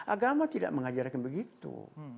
agama tidak mengajarkan begitu